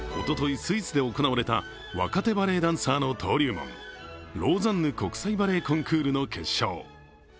スイスで行われた若手バレエダンサーの登竜門、ローザンヌ国際バレエコンクールの決勝。